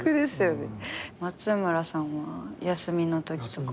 松村さんは休みのときとかは？